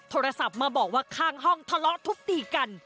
โทรศัพท์มาบอกว่าข้างห้องทะเลาะทุบตีกัน